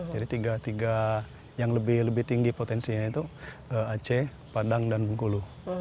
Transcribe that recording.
jadi tiga tiga yang lebih tinggi potensinya itu aceh padang dan bengkulu